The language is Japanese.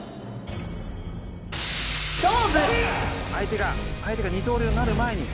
相手が二刀流になる前に。